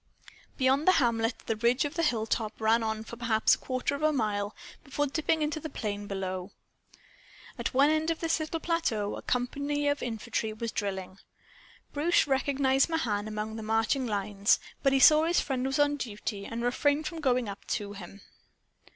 Beyond the hamlet the ridge of hilltop ran on for perhaps a quarter mile before dipping into the plain below. At one end of this little plateau a company of infantry was drilling. Bruce recognized Mahan among the marching lines, but he saw his friend was on duty and refrained from going up to him.